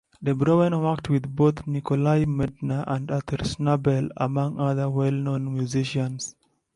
Dobrowen worked with both Nikolai Medtner and Artur Schnabel, among other well-known musicians.